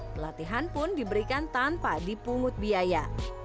pelatihan pun diberikan tanpa dipungut biaya